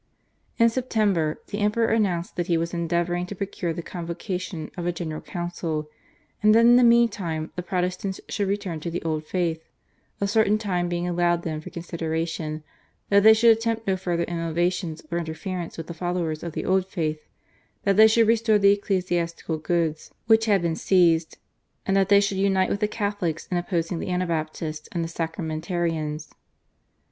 In September the Emperor announced that he was endeavouring to procure the convocation of a General Council and that in the meantime the Protestants should return to the old faith, a certain time being allowed them for consideration, that they should attempt no further innovations or interference with the followers of the old faith, that they should restore the ecclesiastical goods which had been seized, and that they should unite with the Catholics in opposing the Anabaptists and the Sacramentarians.